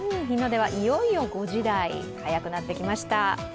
日の出はいよいよ５時台早くなってきました。